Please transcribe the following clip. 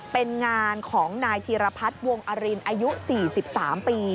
เป็นงานของนายธีรพัฒน์วงอรินอายุ๔๓ปี